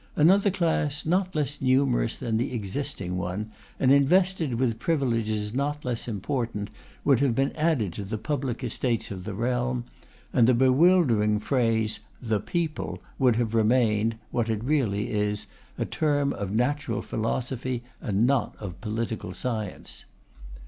Another class not less numerous than the existing one, and invested with privileges not less important, would have been added to the public estates of the realm; and the bewildering phrase 'the People' would have remained, what it really is, a term of natural philosophy, and not of political science.